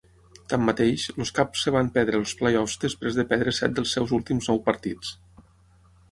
Tanmateix, els Cubs es van perdre els play-offs després de perdre set dels seus últims nou partits.